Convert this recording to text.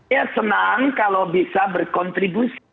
ya senang kalau bisa berkontribusi